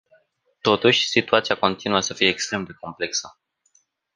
Totuși, situația continuă să fie extrem de complexă.